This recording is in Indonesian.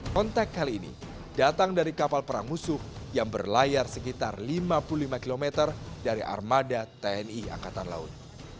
kontak kali ini datang dari kapal perang musuh yang berlayar sekitar lima puluh lima km dari armada tni angkatan laut